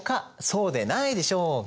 そうでないでしょうか？